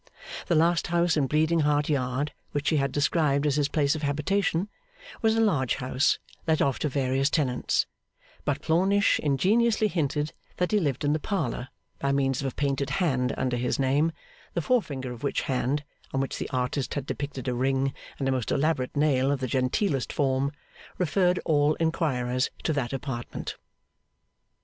The last house in Bleeding Heart Yard which she had described as his place of habitation, was a large house, let off to various tenants; but Plornish ingeniously hinted that he lived in the parlour, by means of a painted hand under his name, the forefinger of which hand (on which the artist had depicted a ring and a most elaborate nail of the genteelest form) referred all inquirers to that apartment.